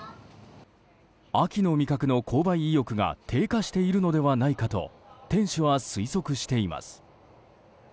秋の味覚の購買意欲が低下しているのではないかと店主は推測しています。